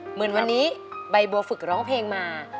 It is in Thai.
เหมือนวันนี้ใบบัวฝึกร้องเพลงมา